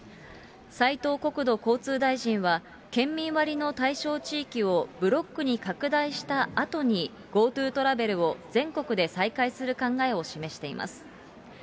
斉藤国土交通大臣は、県民割の対象地域をブロックに拡大したあとに、ＧｏＴｏトラベルを全国で再開する考えを示しています。